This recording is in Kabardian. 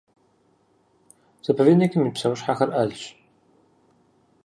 Заповедникым ит псэущхьэхэр Ӏэлщ.